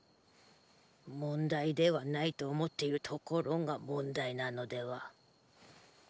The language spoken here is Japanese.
問題ではないと思っているところが問題なのでは？